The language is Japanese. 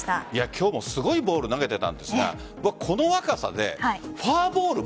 今日もすごいボール投げてたんですがこの若さでフォアボール